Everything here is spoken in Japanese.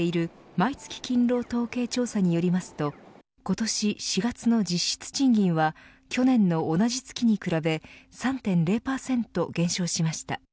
毎月勤労統計調査によりますと今年４月の実質賃金は去年の同じ月に比べ３．０％減少しました。